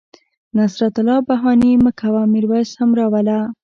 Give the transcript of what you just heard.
نصرت الله بهاني مه کوه میرویس هم را وله